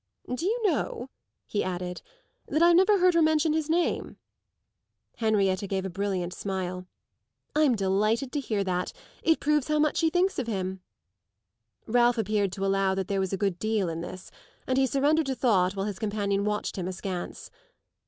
Do you know," he added, "that I've never heard her mention his name?" Henrietta gave a brilliant smile. "I'm delighted to hear that; it proves how much she thinks of him." Ralph appeared to allow that there was a good deal in this, and he surrendered to thought while his companion watched him askance.